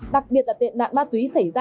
đặc biệt là tiện nạn ma túy xảy ra